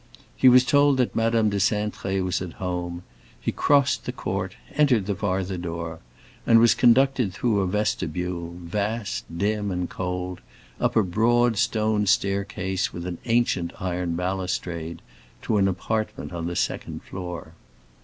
He was told that Madame de Cintré was at home; he crossed the court, entered the farther door, and was conducted through a vestibule, vast, dim, and cold, up a broad stone staircase with an ancient iron balustrade, to an apartment on the second floor.